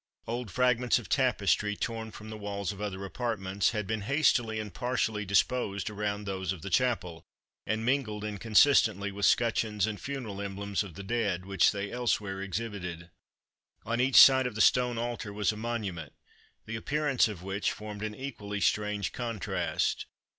Old fragments of tapestry, torn from the walls of other apartments, had been hastily and partially disposed around those of the chapel, and mingled inconsistently with scutcheons and funeral emblems of the dead, which they elsewhere exhibited. On each side of the stone altar was a monument, the appearance of which formed an equally strange contrast.